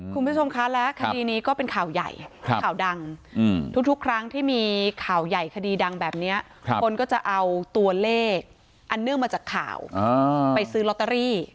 คุณผู้ชมคะและคดีนี้ก็เป็นข่าวใหญ่ข่าวดังทุกครั้งที่มีข่าวใหญ่คดีดังแบบนี้คนก็จะเอาตัวเลขอันเนื่องมาจากข่าวไปซื้อลอตเตอรี่